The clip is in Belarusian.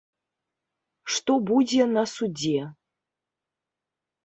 Што будзе на судзе.